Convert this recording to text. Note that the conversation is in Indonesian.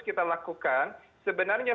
kita lakukan sebenarnya